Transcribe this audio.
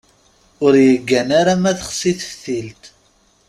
Ur yeggan ara ma texsi teftilt.